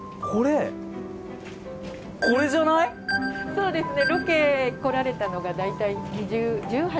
そうですね。